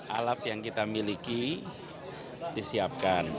alat yang kita miliki disiapkan